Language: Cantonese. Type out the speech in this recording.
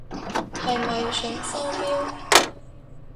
係咪想收錶？